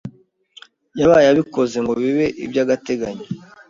yabaye abikoze ngo bibe i by'agateganyo